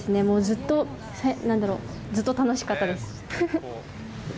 もうずっと、なんだろう、ずっと楽しかったです。